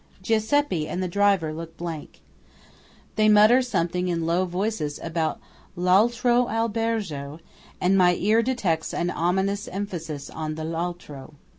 Giuseppe and the driver look blank. They mutter something in low voices about "l'altro albergo;" and my ear detects an ominous emphasis on the "altro".